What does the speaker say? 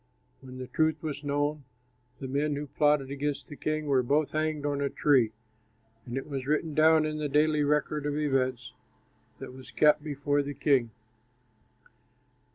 When the truth was known, the men who plotted against the king were both hanged on a tree; and it was written down in the daily record of events that was kept before the king.